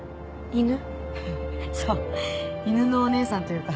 そう犬のお姉さんというか。